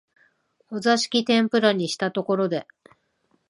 お座敷天婦羅にしたところで、